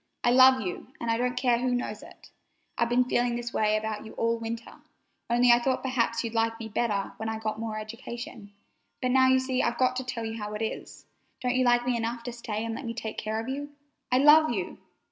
I love you, and I don't care who knows it! I've been feeling that way about you all winter, only I thought perhaps you'd like me better when I got more education; but now you see I've just got to tell you how it is. Don't you like me enough to stay and let me take care of you? I love you!"